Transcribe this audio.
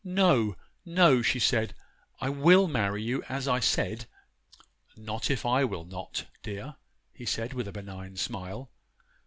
'No, no,' she said, 'I will marry you as I said.' 'Not if I will not, dear,' he said, with a benign smile.